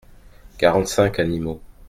Quarante-cinq animaux.